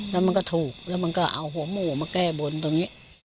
แล้วมันก็ถูกแล้วมันก็เอาหัวหมูมาแก้บนตรงนี้